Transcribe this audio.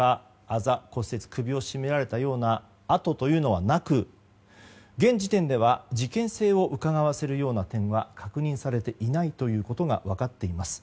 あざ、骨折首を絞められたような跡というのはなく現時点では事件性をうかがわせるような点は確認されていないということが分かっています。